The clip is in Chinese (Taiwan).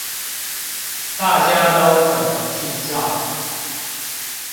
大家都怎麼記帳